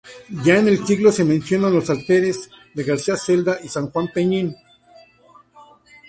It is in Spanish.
Ya en el siglo se mencionan los alfares de García Celada y Sanjuan-Peñín.